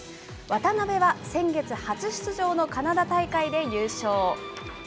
渡辺は先月初出場のカナダ大会で優勝。